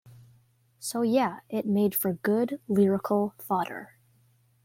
So yeah, it made for good lyrical fodder.